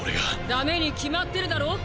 ダメに決まってるだろ！！